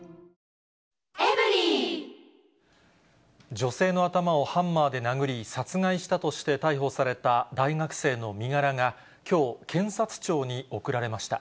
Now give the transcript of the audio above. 女性の頭をハンマーで殴り、殺害したとして逮捕された大学生の身柄が、きょう、検察庁に送られました。